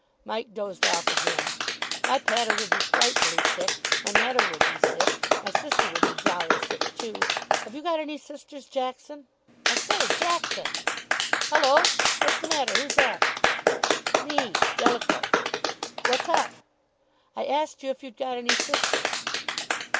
Mike dozed off again. "My pater would be frightfully sick. My mater would be sick. My sister would be jolly sick, too. Have you got any sisters, Jackson? I say, Jackson!" "Hullo! What's the matter? Who's that?" "Me Jellicoe." "What's up?" "I asked you if you'd got any sisters."